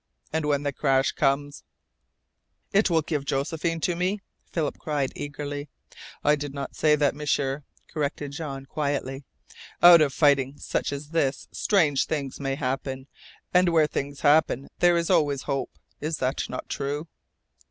And when the crash comes " "It will give Josephine to me?" cried Philip eagerly. "I did not say that, M'sieur," corrected Jean quietly. "Out of fighting such as this strange things may happen. And where things happen there is always hope. Is that not true?"